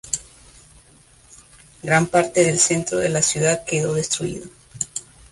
Gran parte del centro de la ciudad quedó destruido.